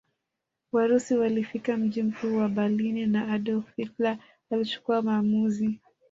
Warusi walifika mji mkuu wa Berlini na Adolf Hitler alichukua maamuzi